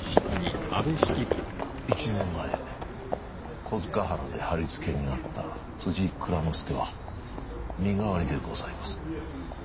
１年前小塚原で磔になった蔵之助は身代わりでございます。